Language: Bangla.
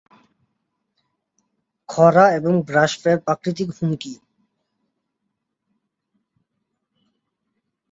খরা এবং ব্রাশফায়ার প্রাকৃতিক হুমকি।